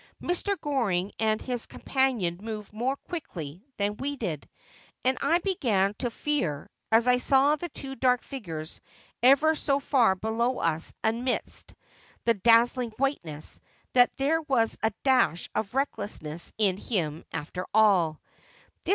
Mr. Goring and his companion moved more quickly than we did ; and I began to fear, as I saw the two dark figures ever so far below us amidst the dazzling whiteness, that there was a dash of recklessness in him after all.